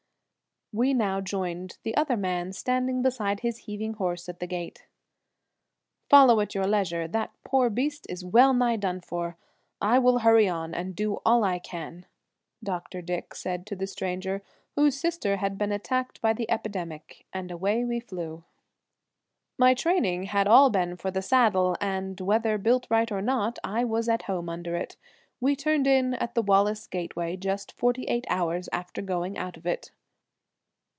'" We now joined the other man standing beside his heaving horse at the gate. "Follow at your leisure; that poor beast is well nigh done for; I will hurry on and do all I can," Dr. Dick said to the stranger, whose sister had been attacked by the epidemic; and away we flew. My training had all been for the saddle, and, whether built right or not, I was at home under it. We turned in at the Wallace gateway just forty eight hours after going out of it.